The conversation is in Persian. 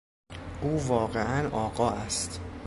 او واقعا آقا است.